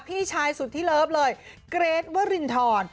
พี่ชายสุดที่เลิฟเลยเกรทวรินทร